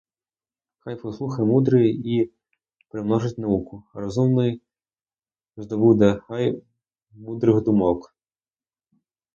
Хай послухає мудрий і примножить науку, а розумний здобуде хай мудрих думок.